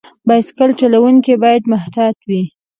بایسکل چلونکي باید محتاط وي.